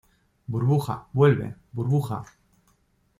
¡ burbuja, vuelve! ¡ burbuja!